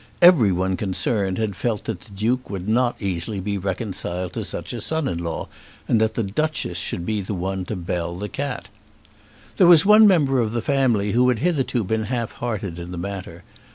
Everyone concerned had felt that the Duke would not easily be reconciled to such a son in law, and that the Duchess should be the one to bell the cat. There was one member of the family who had hitherto been half hearted in the matter.